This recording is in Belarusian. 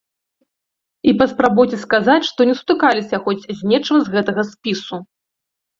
І паспрабуйце сказаць, што не сутыкаліся хоць з нечым з гэтага спісу.